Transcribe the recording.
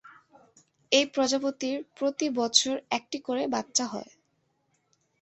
এই প্রজাতির প্রতি বছর একটি করে বাচ্চা হয়।